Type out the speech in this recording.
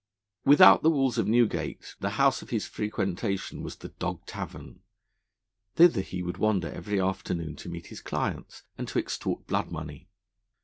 Without the walls of Newgate the house of his frequentation was the 'Dog Tavern.' Thither he would wander every afternoon to meet his clients and to extort blood money.